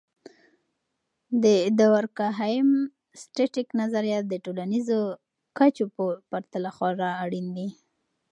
د دورکهايم.static نظریات د ټولنیزو کچو په پرتله خورا اړین دي.